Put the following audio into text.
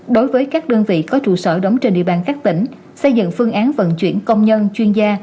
đối với các đơn vị có trụ sở đóng trên địa bàn các tỉnh xây dựng phương án vận chuyển công nhân chuyên gia